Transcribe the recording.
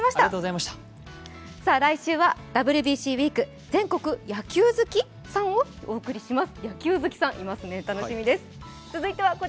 来週はＷＢＣウィーク、全国野球好きさんをお送りします。